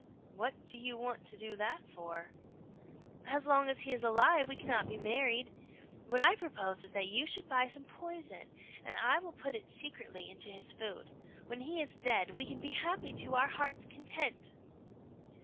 "What do you want to do that for?" "As long as he is alive, we cannot be married. What I propose is that you should buy some poison, and I will put it secretly into his food. When he is dead, we can be happy to our hearts' content."